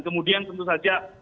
kemudian tentu saja